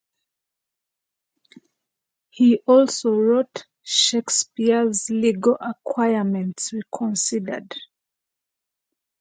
He also wrote "Shakespeare's Legal Acquirements Reconsidered".